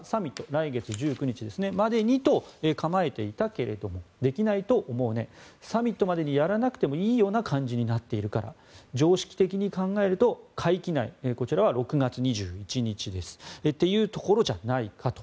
来月１９日までにと構えていたけれどもできないと思うねサミットまでにやらなくてもいいような感じになっているから常識的に考えると会期内こちらは６月２１日ですというところじゃないかと。